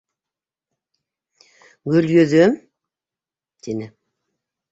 — Гөлйөҙөм... — тине.